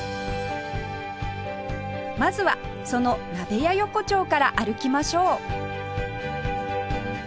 まずはその鍋屋横丁から歩きましょう